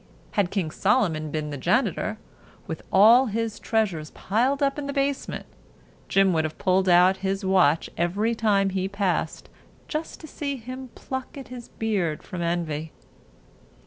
Had King Solomon been the janitor, with all his treasures piled up in the basement, Jim would have pulled out his watch every time he passed, just to see him pluck at his beard from envy.